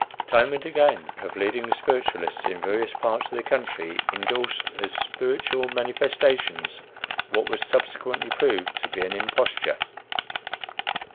Time and again have leading spiritualists, in various parts of the country, indorsed as "spiritual manifestations," what was subsequently proved to be an imposture.